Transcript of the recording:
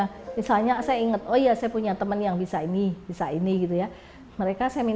cita cita komunitas sahabat difabel memberdayakan kawan kawan berkebutuhan khusus melalui rumah difabel ini tak dapat novi lakukan sendirian